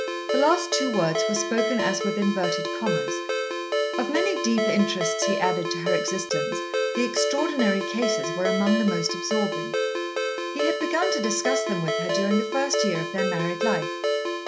The last two words were spoken as with inverted commas. Of many deep interests he added to her existence, the Extraordinary Cases were among the most absorbing. He had begun to discuss them with her during the first year of their married life.